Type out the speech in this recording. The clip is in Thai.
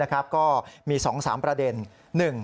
ก็มี๒๓ประเด็น